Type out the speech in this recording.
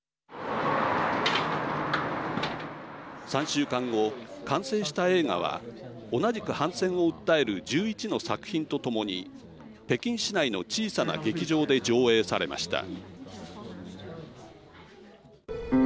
３週間後完成した映画は同じく反戦を訴える１１の作品とともに北京市内の小さな劇場で上演されました。